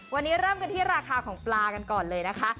วันนี้เริ่มกันที่ราคาของปลากันก่อนเลยนะคะ